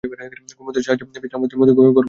কুমুদের সাহায্যে বিছানা পাতিয়া মতি ঘর গুছাইয়া ফেলিল!